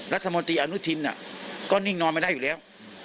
รัฐมนตรีอนุทินก็นิ่งนอนไม่ได้อยู่แล้ว